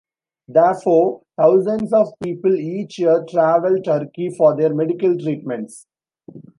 Therefore, thousands of people each year travel Turkey for their medical treatments.